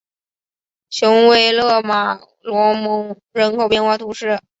雄维勒马洛蒙人口变化图示